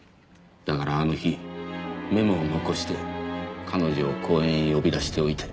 だからあの日メモを残して彼女を公園へ呼び出しておいて。